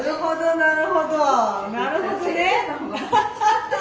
なるほどね。